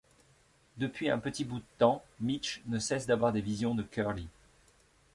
Depuis un petit bout de temps, Mitch ne cesse d'avoir des visions de Curly.